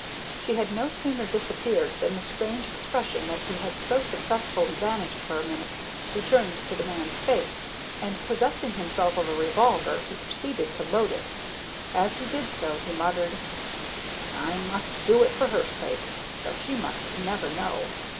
She had no sooner disappeared than the strange expression that he had so successfully banished for a minute returned to the man's face, and, possessing himself of a revolver, he proceeded to load it. As he did so he muttered: "I must do it for her sake, though she must never know.